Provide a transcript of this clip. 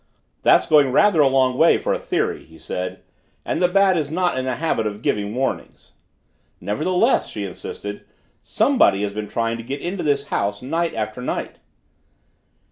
"That's going rather a long way for a theory," he said. "And the Bat is not in the habit of giving warnings." "Nevertheless," she insisted, "somebody has been trying to get into this house, night after night."